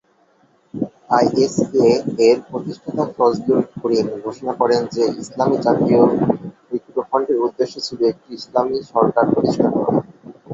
আইএসএ-এর প্রতিষ্ঠাতা ফজলুল করিম ঘোষণা করেন যে ইসলামী জাতীয় ঐক্য ফ্রন্টের উদ্দেশ্য ছিল একটি ইসলামী সরকার প্রতিষ্ঠা করা।